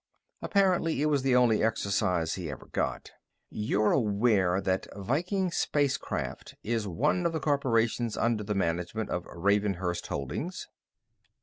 Apparently, it was the only exercise he ever got. "You're aware that Viking Spacecraft is one of the corporations under the management of Ravenhurst Holdings?"